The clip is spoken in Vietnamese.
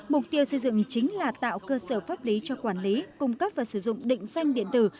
mục tiêu xây dựng chính là tạo cơ sở pháp lý cho quản lý cung cấp và sử dụng định danh điện tử